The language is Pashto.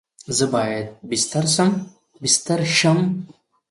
زه باید بیستر سم؟